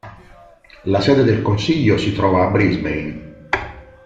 La sede del consiglio si trova a Brisbane.